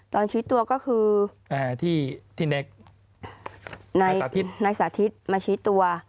ตอนชี้ตัวก็คือเอ่อที่ที่ในในสาธิตในสาธิตมาชี้ตัว